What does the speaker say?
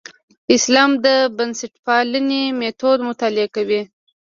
اسلام بنسټپالنې میتود مطالعه کوي.